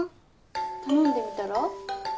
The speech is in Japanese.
頼んでみたら？